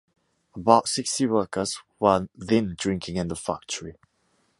About sixty workers were then working in the factory.